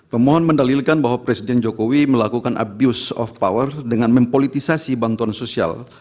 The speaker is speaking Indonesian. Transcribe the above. pemohon mendalilkan bahwa presiden jokowi melakukan abuse of power dengan mempolitisasi bantuan sosial